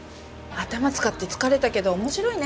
頭使って疲れたけど面白いね